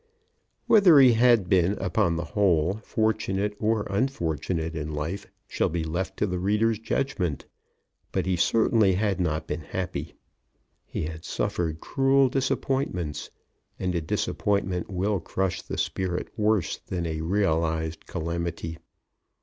Whether he had been, upon the whole, fortunate or unfortunate in life shall be left to the reader's judgment. But he certainly had not been happy. He had suffered cruel disappointments; and a disappointment will crush the spirit worse than a realised calamity.